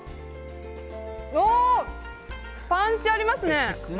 パンチありますね！